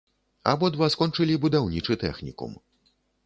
Абодва скончылі будаўнічы тэхнікум.